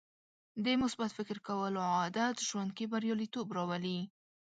د مثبت فکر کولو عادت ژوند کې بریالیتوب راولي.